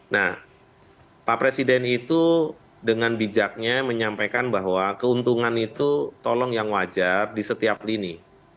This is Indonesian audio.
nah pak presiden itu dengan bijaknya menyampaikan bahwa keuntungan itu tolong yang wajar di setiap lini